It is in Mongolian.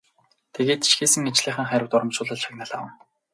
Тэгээд ч хийсэн ажлынхаа хариуд урамшуулал шагнал авна.